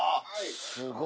すごい。